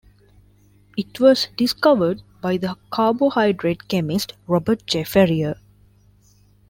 It was discovered by the carbohydrate chemist Robert J. Ferrier.